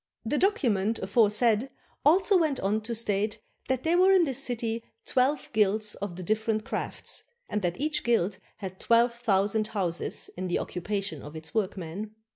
The document aforesaid also went on to state that there were in this city twelve guilds of the different crafts, and that each guild had twelve thousand houses in the occupation of its workmen.